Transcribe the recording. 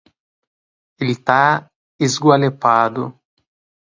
Ele tá esgualepado